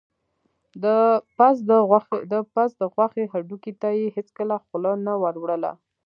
د پس د غوښې هډوکي ته یې هېڅکله خوله نه وروړله.